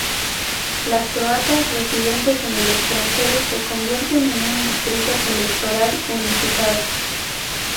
Los croatas residentes en el extranjero se convierten en un distrito electoral unificado.